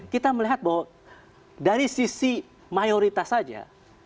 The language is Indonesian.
kita melihat bahwa dari sisi mayoritas saja